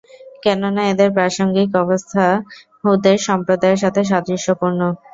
কেননা, এদের প্রাসংগিক অবস্থা হূদের সম্প্রদায়ের সাথে সাদৃশ্যপূর্ণ।